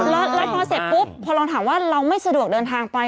แล้วพอเสร็จปุ๊บพอลองถามว่าเราไม่สะดวกเดินทางไป